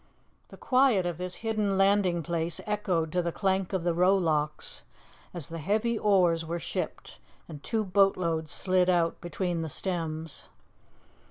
The quiet of this hidden landing place echoed to the clank of the rowlocks as the heavy oars were shipped, and two boatloads slid out between the stems.